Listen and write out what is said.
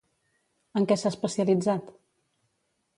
En què s'ha especialitzat?